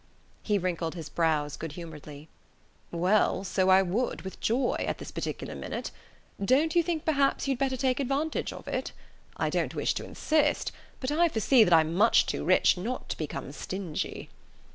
He wrinkled his brows good humouredly. "Well, so I would, with joy at this particular minute. Don't you think perhaps you'd better take advantage of it? I don't wish to insist but I foresee that I'm much too rich not to become stingy."